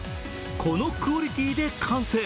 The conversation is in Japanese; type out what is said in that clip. このクオリティーで完成。